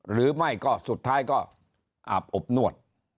หรือไม่ก็สุดท้ายก็อาบอบนวด